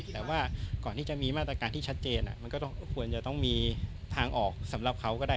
แต่ว่าก่อนที่จะมีมาตรการที่ชัดเจนมันก็ควรจะต้องมีทางออกสำหรับเขาก็ได้